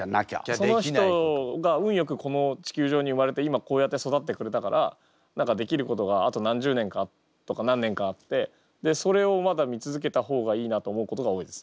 その人が運よくこの地球上に生まれて今こうやって育ってくれたからできることがあと何十年とか何年かあってそれをまだ見続けた方がいいなと思うことが多いです。